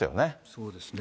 そうですね。